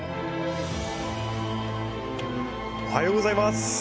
おはようございます。